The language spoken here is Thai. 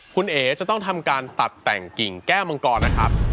คุณเอ๋จะต้องทำการตัดแต่งกิ่งแก้วมังกรนะครับ